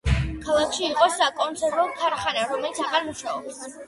ქალაქში იყო საკონსერვო ქარხანა, რომელიც აღარ მუშაობს.